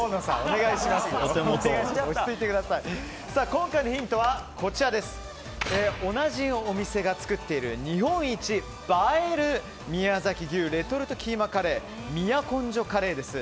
今回のヒントは同じお店が作っている日本一映える宮崎牛レトルトキーマカレー宮崎牛です。